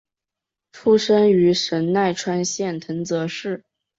出身于神奈川县藤泽市。